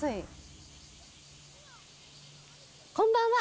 こんばんは。